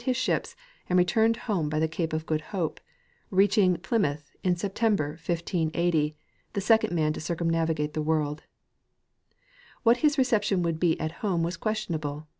his ships, and returned home by the cape of Good Hope, reach ing Plymouth in September, 1580, the second man to cil cumnavi gate the work! (figure 2*). What his reception would be at home was questionable.